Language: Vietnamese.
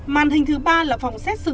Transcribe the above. màn hình thứ ba là phòng xét xử